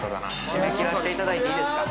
◆締め切らせていただいていいですか。